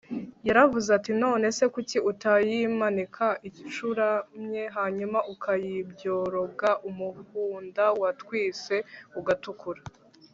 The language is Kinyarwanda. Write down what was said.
Yaravuze ati none se kuki utayimanika icuramye hanyuma ukayibyoroga umuhunda watwitse ugatukura